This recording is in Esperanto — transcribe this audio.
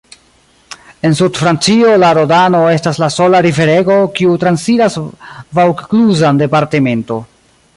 En sudfrancio la Rodano estas la sola riverego kiu transiras vaŭkluzan departemento.